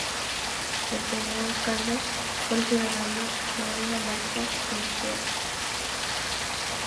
El primer alcalde fue el ciudadano Jerónimo Marcos Anchieta.